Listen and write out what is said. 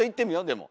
でも。